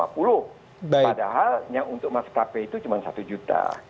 padahal yang untuk maskapai itu cuma satu juta